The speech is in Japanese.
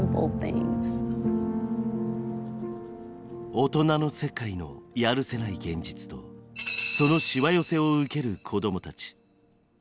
大人の世界のやるせない現実とそのしわ寄せを受ける子どもたち。